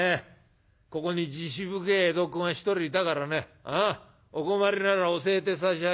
ここに慈悲深え江戸っ子が一人いたからねお困りなら教えて差し上げましょう。